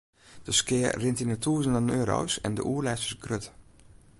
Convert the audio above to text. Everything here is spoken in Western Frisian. De skea rint yn 'e tûzenen euro's en de oerlêst is grut.